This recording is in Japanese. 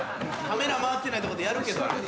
カメラ回ってないとこでやるけどあれ。